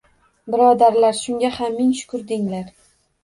Birodarlar! Shunga ham ming shukr denglar